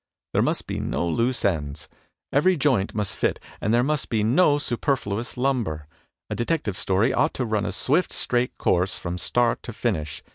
There must be no loose ends; every joint must fit and there must be no superfluous limiber. A detective story ought to run a swift, straight course from start to finish.